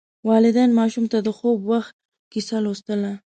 والدین ماشوم ته د خوب وخت کیسه لوستل.